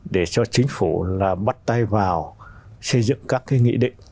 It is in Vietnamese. để cho chính phủ là bắt tay vào xây dựng các cái nghị định